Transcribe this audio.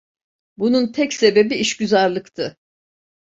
Bunun tek sebebi işgüzarlıktı.